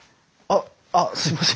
あっすいません。